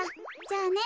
じゃあね。